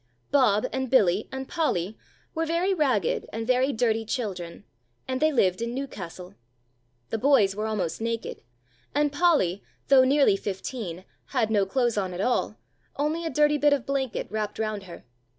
Bob and Billy and Polly were very ragged and very dirty children, and they lived in Newcastle. The boys were almost naked, and Polly, though nearly fifteen had no clothes on at all, only a dirty bit of blanket wrapped round her.